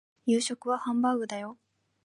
夕食はハンバーグだよ